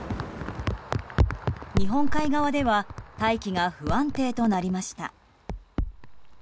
日本海側では大気が不安定となりました。